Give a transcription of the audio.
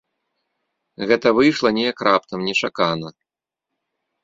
Гэта выйшла неяк раптам, нечакана.